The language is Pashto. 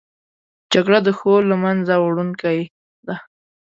جګړه د ښو له منځه وړونکې ده